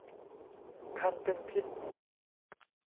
ครรภ์เป็นพิษ